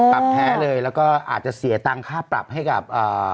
แพ้เลยแล้วก็อาจจะเสียตังค่าปรับให้กับ